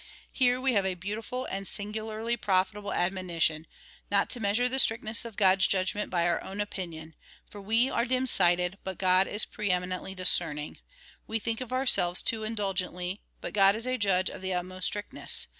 Here we have a beautiful and singularly profitable admoni tion, not to measure the strictness of God's judgment by our own opinion ; for we are dim sighted, but God is ]3re eminently discerning. We think of ourselves too indul gently, but God is a judge of the utmost strictness.